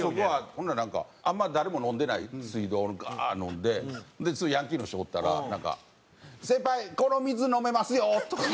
ほんならなんかあんま誰も飲んでない水道をガーッ飲んでヤンキーの人がおったらなんか「先輩この水飲めますよ！」とか。